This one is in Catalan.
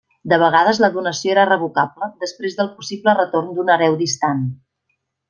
De vegades la donació era revocable després del possible retorn d'un hereu distant.